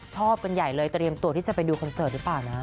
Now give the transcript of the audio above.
กันใหญ่เลยเตรียมตัวที่จะไปดูคอนเสิร์ตหรือเปล่านะ